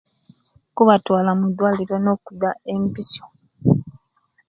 Kubatwala madwaliro no'kubba empisio